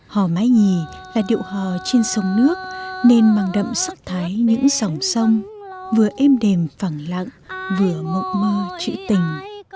hò mái nhì là điệu hò trên sông nước nên mang đậm sắc thái những dòng sông vừa êm đềm phẳng lặng vừa mộng mơ chữ tình